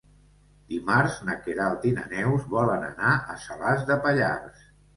Dimarts na Queralt i na Neus volen anar a Salàs de Pallars.